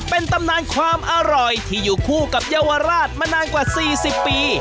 เป็นตำนานความอร่อยที่อยู่คู่กับเยาวราชมานานกว่า๔๐ปี